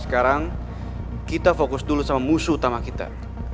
sekarang kita fokus dulu sama musuh utama kita